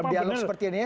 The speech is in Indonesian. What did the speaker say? biar lu seperti ini ya